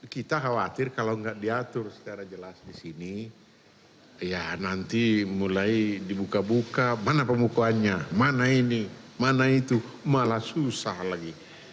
kita khawatir kalau nggak diatur secara jelas di sini ya nanti mulai dibuka buka mana pemukuannya mana ini mana itu malah susah lagi